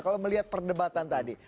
kalau melihat perdebatan tadi